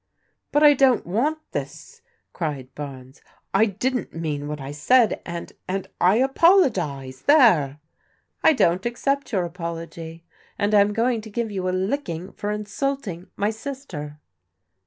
"But I don't want this," cried Barnes. "I didn't mean what I said, and — and — ^I apologize, — there !"" I don't accept your apology, and I am going to give you a licking for insulting my sister."